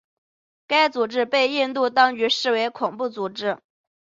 该组织被印度当局视为恐怖组织。